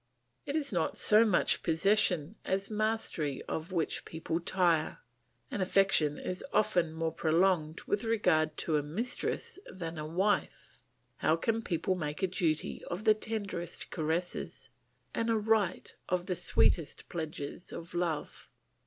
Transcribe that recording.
"It is not so much possession as mastery of which people tire, and affection is often more prolonged with regard to a mistress than a wife. How can people make a duty of the tenderest caresses, and a right of the sweetest pledges of love?